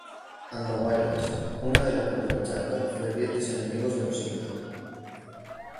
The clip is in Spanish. Andahuaylas cuna de la cultura Chanca, fervientes enemigos de los Incas.